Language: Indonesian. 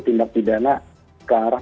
tindak pidana ke arah